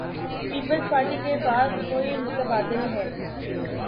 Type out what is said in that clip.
Peoples Party کے پاس کو ئی متبادل ہے؟